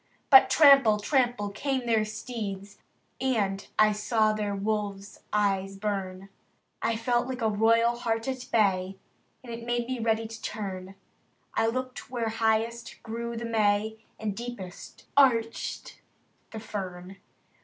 But trample! trample! came their steeds, And I saw their wolf's eyes burn, I felt like a royal hart at bay. And made me ready to turn. I looked where highest grew the May, And deepest arched the fern.